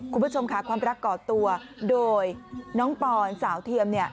คุณผู้ชมค่ะความรักก่อตัวโดยน้องปอนสาวเทียมเนี่ย